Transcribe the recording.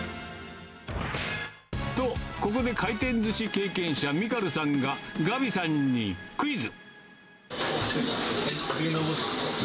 と、ここで回転ずし経験者、ミカルさんが、ガビさんにクイズ。